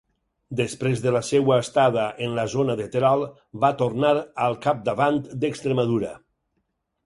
Després de la seva estada en la zona de Terol va tornar al capdavant d'Extremadura.